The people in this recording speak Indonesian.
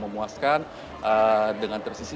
memuaskan dengan tersisi